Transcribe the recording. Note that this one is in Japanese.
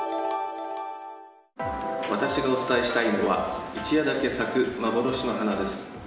私がお伝えしたいのは一夜だけ咲く幻の花です。